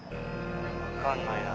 わかんないな。